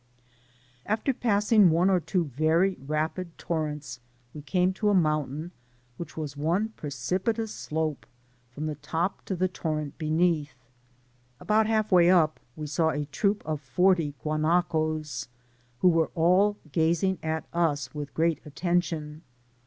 After passing one or two very rapid torrents, we came to a mountain which was one precipitous slope from the top to the torrent beneath. About half way up, we saw a troop of forty guanacos, who were aU gazing at us with great attention.